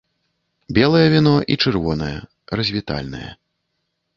Белае віно і чырвонае, развітальнае.